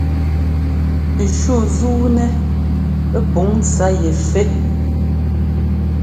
Shú zúunɛ́ pǔn ntsá yɛ fɛ́.